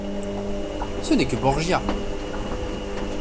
Ce n’est que Borgia !